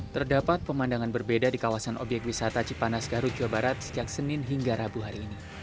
terdapat pemandangan berbeda di kawasan obyek wisata cipanas garut jawa barat sejak senin hingga rabu hari ini